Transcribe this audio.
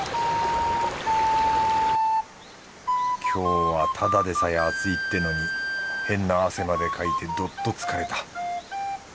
今日はただでさえ暑いってのに変な汗までかいてどっと疲れた。